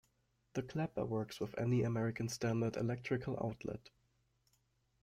The Clapper works with any American standard electrical outlet.